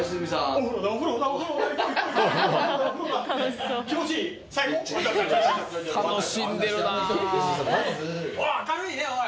おっ明るいねおい。